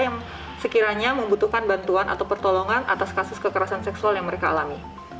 yang sekiranya membutuhkan bantuan atau pertolongan atas kasus kekerasan seksual yang mereka alami